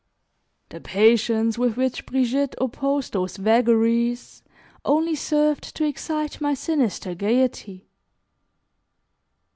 The patience with which Brigitte opposed those vagaries only served to excite my sinister gaiety.